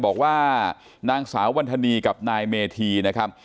บอกว่านางสาววันธนีกับนายเมธีนะครับ